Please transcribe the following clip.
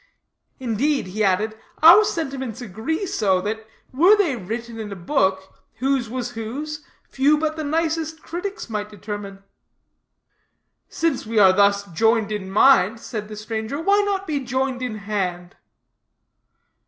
"Indeed," he added, "our sentiments agree so, that were they written in a book, whose was whose, few but the nicest critics might determine." "Since we are thus joined in mind," said the stranger, "why not be joined in hand?"